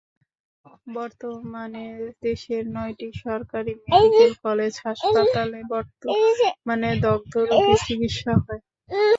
বর্তমানে দেশের নয়টি সরকারি মেডিকেল কলেজ হাসপাতালে বর্তমানে দগ্ধ রোগীর চিকিৎসা হয়।